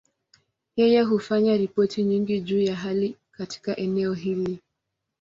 Yeye hufanya ripoti nyingi juu ya hali katika eneo hili.